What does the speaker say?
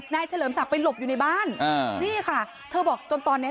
เฉลิมศักดิ์ไปหลบอยู่ในบ้านอ่านี่ค่ะเธอบอกจนตอนเนี้ย